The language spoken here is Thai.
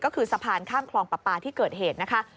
ก็คือสะพานข้ามคลองปลาปลาที่เกิดเหตุนะคะ